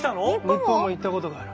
日本も行ったことがある。